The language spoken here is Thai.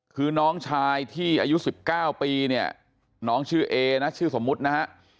คือน้องชายที่อายุ๑๙ปีเนี่ยน้องชื่อเอนะชื่อสมมุตินะฮะ